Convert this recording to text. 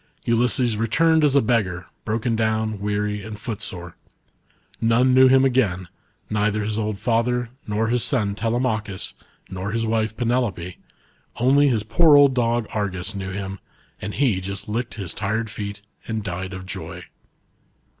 Ulys3es returned as a beggar, broken down, weary, and footsore. None knew him again, neither his old father, nor hia son Telemachus, nor his wife Penelope, only his poor old dog Argus knew him, and he just licked his tired feet and died of joy.